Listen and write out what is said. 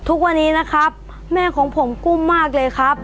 ทุกวันนี้นะครับแม่ของผมกุ้มมากเลยครับ